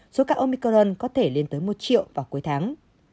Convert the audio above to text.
số ca omicron có thể lên tới một triệu vào cuối tháng